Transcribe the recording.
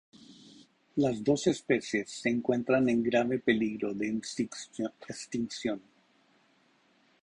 Las dos especies se encuentran en grave peligro de extinción.